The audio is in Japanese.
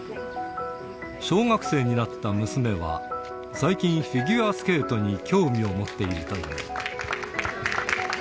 小学生になった娘は、最近、フィギュアスケートに興味を持っているという。